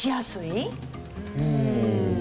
うん。